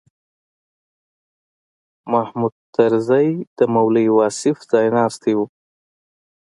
محمود طرزي د مولوي واصف ځایناستی و.